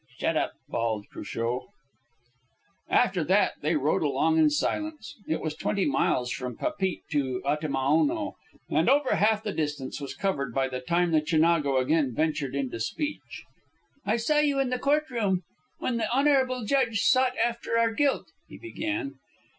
"Shut up!" bawled Cruchot. After that they rode along in silence. It was twenty miles from Papeete to Atimaono, and over half the distance was covered by the time the Chinago again ventured into speech. "I saw you in the court room, when the honourable judge sought after our guilt," he began.